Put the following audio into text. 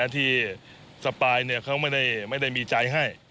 ที่สปายเขาไม่ได้มีใจให้